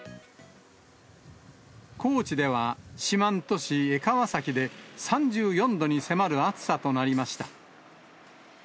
高知では、四万十市江川崎で３４度に迫る暑さとなりました。